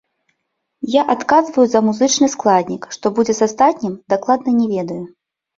Я адказваю за музычны складнік, што будзе з астатнім, дакладна не ведаю.